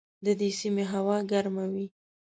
د دې سیمې هوا ګرمه وي.